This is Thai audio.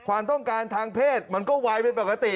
ความต้องการทางเพศมันก็ไวเป็นปกติ